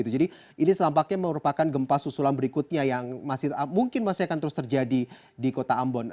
jadi ini selampaknya merupakan gempa susulan berikutnya yang mungkin masih akan terus terjadi di kota ambon